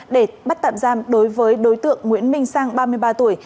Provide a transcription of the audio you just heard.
để bắt tạm giam đối với đối tượng nguyễn minh sang ba mươi ba tuổi